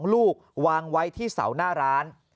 ลูกวางไว้ที่เสาหน้าร้าน